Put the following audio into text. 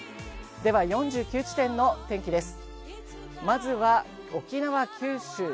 では４９地点の天気です。